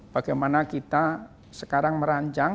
bagaimana kita sekarang merancang